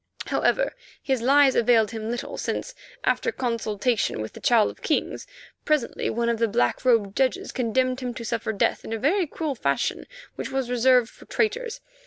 However, his lies availed him little, since, after consultation with the Child of Kings, presently one of the black robed judges condemned him to suffer death in a very cruel fashion which was reserved for traitors.